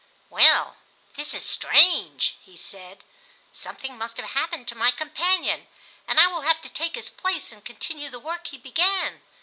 "Well, this is strange," he said; "something must have happened to my companion, and I will have to take his place and continue the work he began.